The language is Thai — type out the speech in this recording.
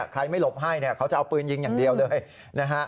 ใครไม่หลบให้เขาจะเอาปืนยิงอย่างเดียวเลย